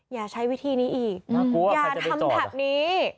อย่าใช้วิธีนี้อีกอย่าทำแบบนี้